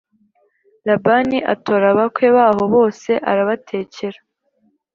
Labani atora abakwe baho bose arabatekera